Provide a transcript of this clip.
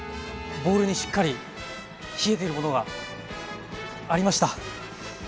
ボウルにしっかり冷えているものがありました。